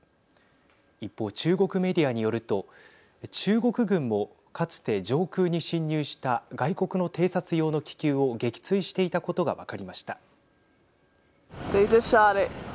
一方中国メディアによると中国軍もかつて上空に侵入した外国の偵察用の気球を撃墜していたことが分かりました。